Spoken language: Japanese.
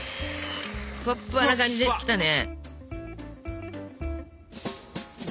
ふわふわな感じできたね。